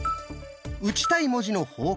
打ちたい文字の方向